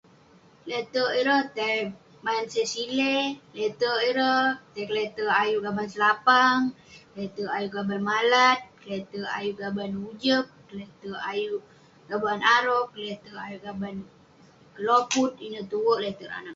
Letek ireh, tei main se silei, letek ireh, tei keletek ayuk gaban selapang, keletek ayuk malat, keletek ayuk gaban ujek, letek ayuk gaban arok. Keletek ayuk gaban keloput. Ineh tuek letek ireh anak.